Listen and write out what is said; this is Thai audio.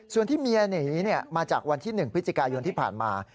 ส่วนที่เมียหนีมาจากวันที่๑พฤศจิกายนที่ผ่านมา